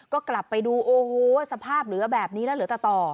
ก็กลับไปดูโอ้โหสภาพเหลือแบบนี้แล้วเหลือแต่ต่อ